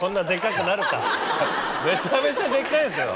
めちゃめちゃでかいですよ！